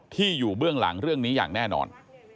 ที่อยู่เบื้องหลังเรื่องนี้อย่างแน่นอน